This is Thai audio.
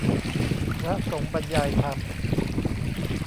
พระสงฆ์บรรยายธรรม